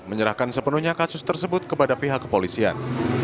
menyerahkan sepenuhnya kasus tersebut kepada pihak kepolisian